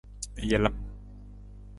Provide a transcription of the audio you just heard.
Jalam.